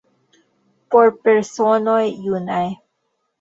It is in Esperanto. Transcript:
Por personoj junaj!